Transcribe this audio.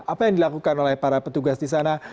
apa yang dilakukan oleh para petugas di sana